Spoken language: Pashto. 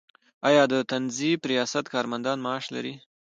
آیا د تنظیف ریاست کارمندان معاش لري؟